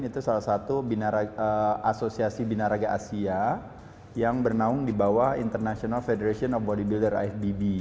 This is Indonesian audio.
itu salah satu asosiasi binaraga asia yang bernaung di bawah international federation of bodybuilder fbb